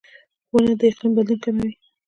• ونه د اقلیم بدلون کموي.